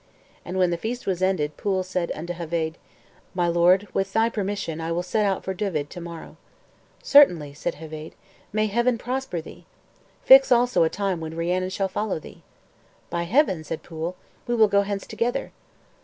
And when the feast was ended, Pwyll said unto Heveydd, "My lord, with thy permission, I will set out for Dyved to morrow." "Certainly," said Heveydd; "may Heaven prosper thee! Fix also a time when Rhiannon shall follow thee." "By Heaven," said Pwyll, "we will go hence together."